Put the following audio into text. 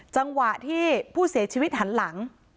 จังหวะที่ผู้เสียชีวิตหันหลัง